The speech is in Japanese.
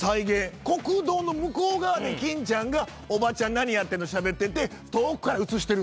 国道の向こう側で欽ちゃんがおばちゃんに「何やってんの？」ってしゃべってて遠くから映してる。